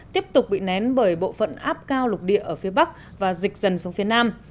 tiếp tục bị nén bởi bộ phận áp cao lục địa ở phía bắc và dịch dần xuống phía nam